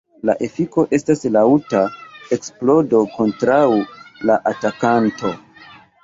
La efiko estas laŭta eksplodo kontraŭ la atakanto.